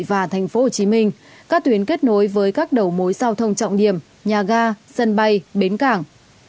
và thành phố hồ chí minh các tuyến kết nối với các đầu mối giao thông trọng điểm nhà ga sân bay bến cảng